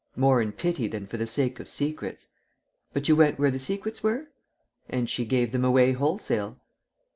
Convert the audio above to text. "More in pity than for the sake of secrets." "But you went where the secrets were?" "And she gave them away wholesale."